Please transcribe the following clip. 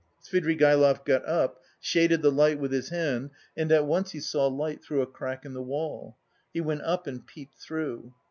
Svidrigaïlov got up, shaded the light with his hand and at once he saw light through a crack in the wall; he went up and peeped through.